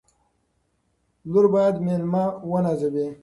لور باید مېلمه ونازوي.